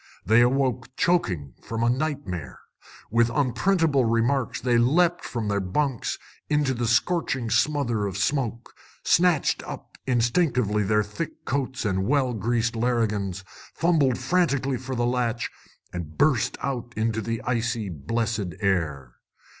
They awoke choking, from a nightmare. With unprintable remarks, they leapt from their bunks into a scorching smother of smoke, snatched up instinctively their thick coats and well greased larrigans, fumbled frantically for the latch, and burst out into the icy, blessed air.